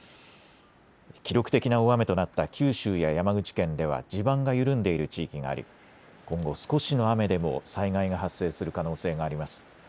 記録的な大雨となった九州や山口県では地盤が緩んでいる地域があり今後、少しの雨でも災害が発生する可能性があります。